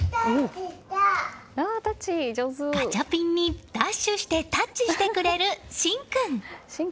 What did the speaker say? ガチャピンにダッシュしてタッチしてくれる心君。